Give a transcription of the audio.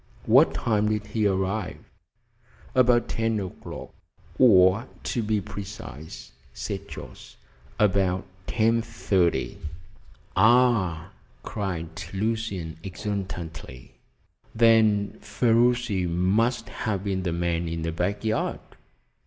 "What time did he arrive?" "About ten o'clock, or, to be precise," said Jorce, "about ten thirty." "Ah!" cried Lucian exultantly, "then Ferruci must have been the man in the back yard!"